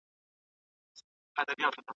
خاطرې د ژوند د خوږو یادونو ټولګه ده.